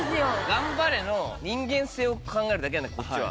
ガンバレの人間性を考えるだけなんだからこっちは。